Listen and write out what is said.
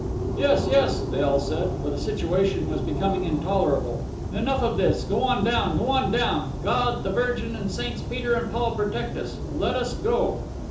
"Yes, yes," they all said, for the situation was becoming intolerable; "enough of this. Go on down. Go on down. God, the Virgin and Saints Peter and Paul protect us. Let us go."